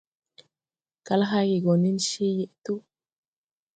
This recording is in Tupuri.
Kal hayge gɔ nen cee yeʼ tuu.